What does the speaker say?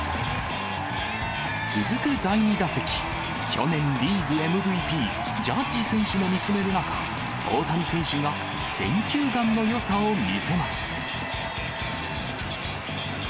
続く第２打席、去年リーグＭＶＰ、ジャッジ選手も見つめる中、大谷選手が選球眼のよさを見せます。